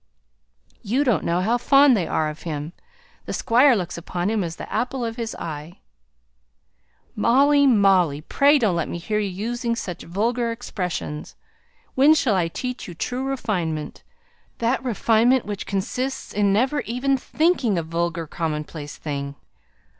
"You don't know how fond they are of him, the Squire looks upon him as the apple of his eye." "Molly! Molly! pray don't let me hear you using such vulgar expressions. When shall I teach you true refinement that refinement which consists in never even thinking a vulgar, commonplace thing!